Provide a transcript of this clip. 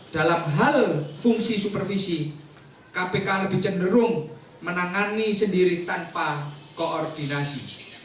dalam hal fungsi supervisi kpk lebih cenderung menangani sendiri tanpa koordinasi